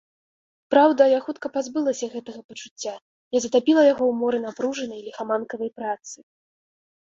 Праўда, я хутка пазбылася гэтага пачуцця, я затапіла яго ў моры напружанай, ліхаманкавай працы.